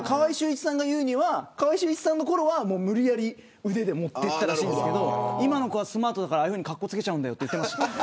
川合俊一さんのころは無理やり腕でもっていったらしいですけど今の子はスマートだからああいうふうにかっこつけちゃうんだよと言ってました。